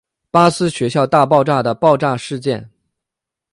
巴斯学校大爆炸的爆炸事件。